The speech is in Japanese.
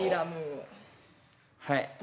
はい。